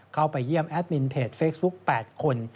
เข้าไปเยี่ยมแอดมินเพจเฟซบุ๊ค๘คน